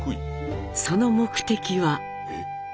その目的は。